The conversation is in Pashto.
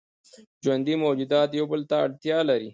ژوندي موجودات یو بل ته اړتیا لري